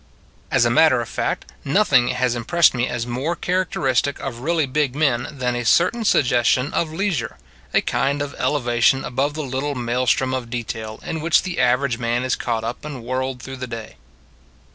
As a matter of fact, nothing has im pressed me as more characteristic of really big men than a certain suggestion of leisure, a kind of elevation above the lit 63 64 tie maelstrom of detail in which the aver age man is caught up and whirled through the day.